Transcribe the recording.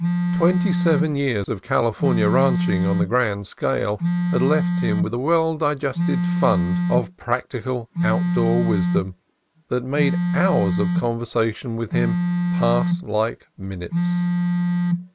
Twenty seven years of California ranching on the grand scale had left him with a well digested fund of practical outdoor wisdom that made hours of conversation with him pass like min utes.